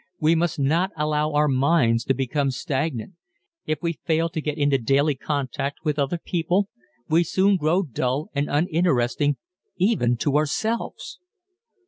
We must not allow our minds to become stagnant. If we fail to get into daily contact with other people, we soon grow dull and uninteresting even to ourselves.